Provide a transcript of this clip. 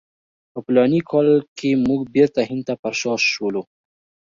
په فلاني کال کې موږ بیرته هند ته پر شا شولو.